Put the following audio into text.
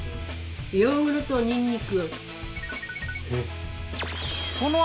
ヨーグルトにんにく。